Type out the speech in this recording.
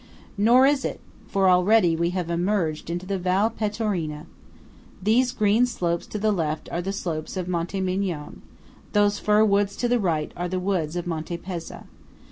Nor is it; for already we have emerged into the Val Pettorina. These green slopes to the left are the slopes of Monte Migion; these fir woods to the right are the woods of Monte Pezza.